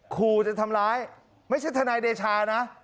ขู่จะทำร้ายไม่ใช่ทนายเดชานะ